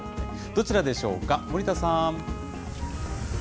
どちらでしょうか、森田さん。